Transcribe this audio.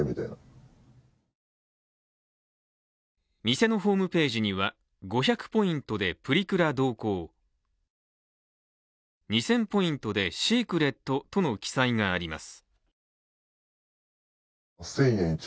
店のホームページには５００ポイントでプリクラ同行、２０００ポイントでシークレットとの記載があります。